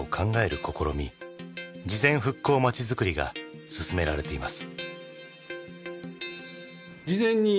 「事前復興まちづくり」が進められています。